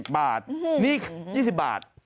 ๒๐บาท